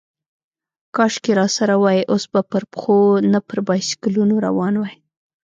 کاشکې راسره وای، اوس به پر پښو، نه پر بایسکلونو روان وای.